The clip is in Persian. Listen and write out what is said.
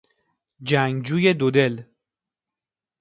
جنگجوی دودل